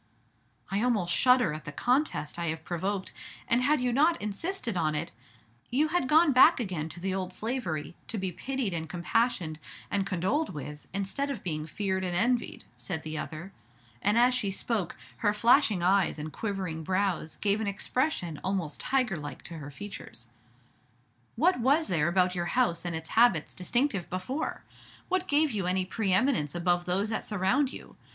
"I almost shudder at the contest I have provoked, and had you not insisted on it " "You had gone back again to the old slavery, to be pitied and compassionated, and condoled with, instead of being feared and envied," said the other; and as she spoke, her flashing eyes and quivering brows gave an expression almost tiger like to her features. "What was there about your house and its habits distinctive before? What gave you any pre eminence above those that surround you?